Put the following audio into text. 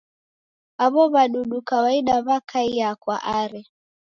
Aw'o w'adudu kawaida w'akaia kwa Are.